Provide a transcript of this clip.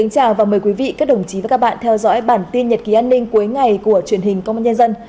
chào mừng quý vị đến với bản tin nhật ký an ninh cuối ngày của truyền hình công an nhân dân